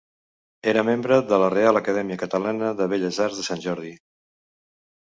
Era membre de la Reial Acadèmia Catalana de Belles Arts de Sant Jordi.